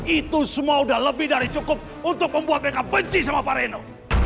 itu semua sudah lebih dari cukup untuk membuat mereka benci sama pak reno